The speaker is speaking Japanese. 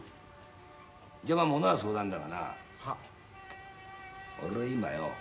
じゃものは相談だがな俺は今よ